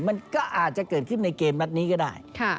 มันก็อาจจะเกิดขึ้นในเกมนัดนี้ก็ได้